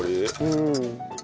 うん。